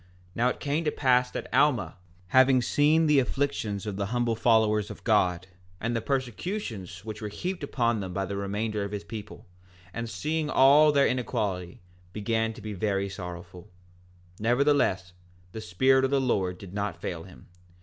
4:15 And now it came to pass that Alma, having seen the afflictions of the humble followers of God, and the persecutions which were heaped upon them by the remainder of his people, and seeing all their inequality, began to be very sorrowful; nevertheless the Spirit of the Lord did not fail him.